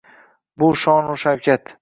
Bu shonu shavkat